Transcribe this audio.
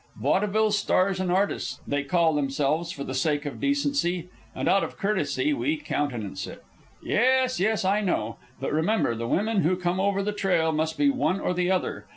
Vaudeville stars and artists, they call themselves for the sake of decency; and out of courtesy we countenance it. Yes, yes, I know. But remember, the women who come over the trail must be one or the other.